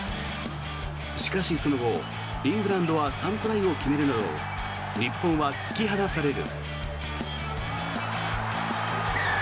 しかし、その後、イングランドは３トライを決めるなど日本は突き放される。